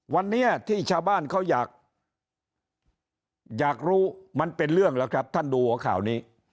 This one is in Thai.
วันนี้ที่ชาวบ้านเขาอยากรู้มันเป็นเรื่องแล้วครับท่านดูหัวข่าวนี้